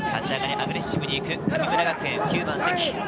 アグレッシブに行く神村学園９番・積。